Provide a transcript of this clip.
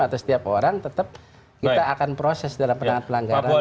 atau setiap orang tetap kita akan proses dalam penanganan pelanggaran